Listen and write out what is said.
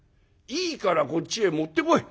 いいからこっちへ持ってこい。